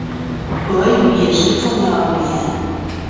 俄语也是重要语言。